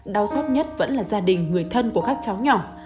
đau xót nhất vẫn là gia đình người thân của các cháu nhỏ